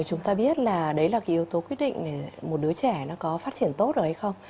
chúng ta biết là đấy là yếu tố quyết định để một đứa trẻ có phát triển tốt rồi hay không